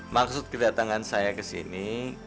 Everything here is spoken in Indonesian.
maksud kedatangan saya ke sini